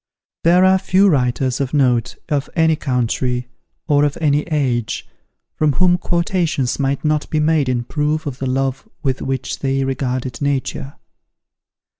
There are few writers of note, of any country, or of any age, from whom quotations might not be made in proof of the love with which they regarded Nature.